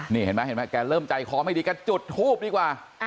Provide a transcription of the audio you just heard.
นี่เห็นมั้ยแกเริ่มใจคอไม่ดีกันจุดหูบดีกว่า